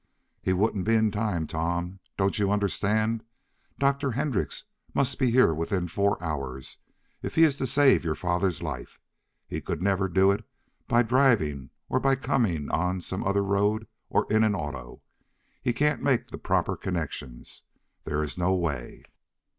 "He wouldn't be in time, Tom. Don't you understand, Dr. Hendrix must be here within four hours, if he is to save your father's life. He never could do it by driving or by coming on some other road, or in an auto. He can't make the proper connections. There is no way."